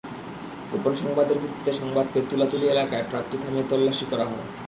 গোপন সংবাদের ভিত্তিতে সংবাদ পেয়ে তুলাতুলি এলাকায় ট্রাকটি থামিয়ে তল্লাশি করা হয়।